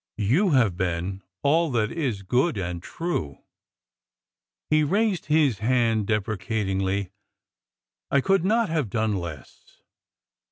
You have been all that is good and true !" He raised his hand deprecatingly. I could not have done less.